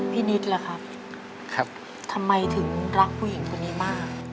นิดล่ะครับทำไมถึงรักผู้หญิงคนนี้มาก